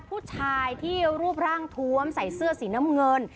ผู้ชายที่รูปร่างทวมใส่เสื้อสีน้ำเงิน